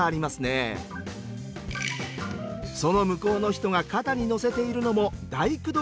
その向こうの人が肩に載せているのも大工道具のようです。